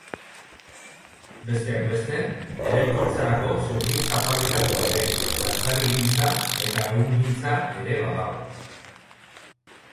Besteak beste, eraikuntzarako zurgintza-fabrikak daude, altzarigintza eta ehungintza ere badago.